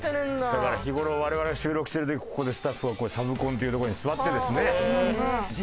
だから日頃我々が収録してる時ここでスタッフがサブコンという所に座ってですね。